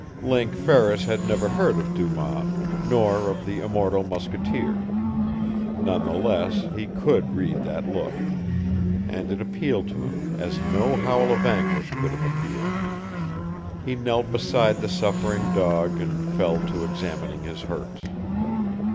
Link Ferris had never heard of Dumas, nor of the immortal musketeer. None the less, he could read that look. And it appealed to him, as no howl of anguish could have appealed. He knelt beside the suffering dog and fell to examining his hurts.